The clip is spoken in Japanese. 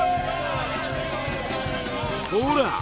ほら！